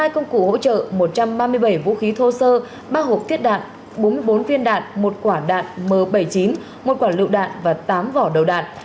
hai công cụ hỗ trợ một trăm ba mươi bảy vũ khí thô sơ ba hộp tiết đạn bốn mươi bốn viên đạn một quả đạn m bảy mươi chín một quả lựu đạn và tám vỏ đầu đạn